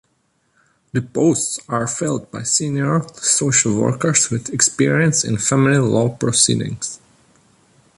The posts are filled by senior social workers with experience in family law proceedings.